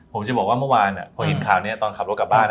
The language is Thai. ผมจะบอกว่าเมื่อวานพอเห็นข่าวนี้ตอนขับรถกลับบ้าน